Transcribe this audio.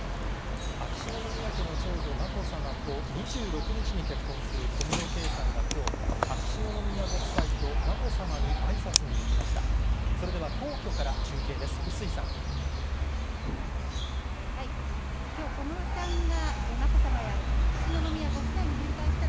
秋篠宮家の長女、まこさまと２６日に結婚する小室圭さんがきょう、秋篠宮ご夫妻とまこさまにあいさつに行きました。